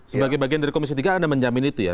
sebagai bagian dari komisi tiga anda menjamin itu ya